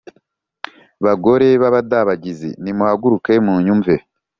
Bagore b’abadabagizi, nimuhaguruke munyumve!